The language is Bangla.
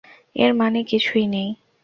এর মানে কিছুই নেই।